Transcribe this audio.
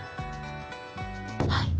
はい。